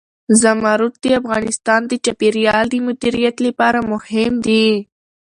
زمرد د افغانستان د چاپیریال د مدیریت لپاره مهم دي.